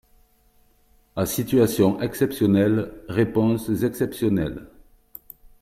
À situation exceptionnelle, réponses exceptionnelles.